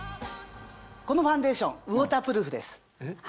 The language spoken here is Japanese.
このファンデーションウォータープルーフです。